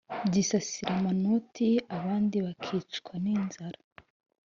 Byisasira amanoti abandi bakicwa n'inzara